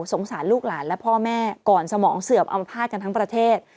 สงสารลูกหลานและพ่อแม่ก่อนสมองเสื่อมอัมภาษณ์กันทั้งประเทศ